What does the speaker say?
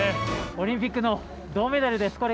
オリンピックの銅メダルです。